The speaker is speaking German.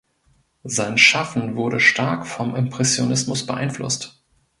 Sein Schaffen wurde stark vom Impressionismus beeinflusst.